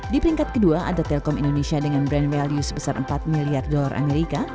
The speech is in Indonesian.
di peringkat kedua ada telkom indonesia dengan brand values sebesar empat miliar dolar amerika